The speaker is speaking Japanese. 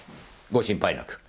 ご心配なく。